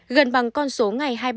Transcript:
gần bằng con số ngày hôm nay